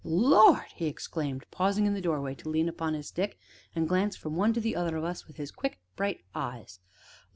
"Lord!" he exclaimed, pausing in the doorway to lean upon his stick and glance from one to the other of us with his quick, bright eyes.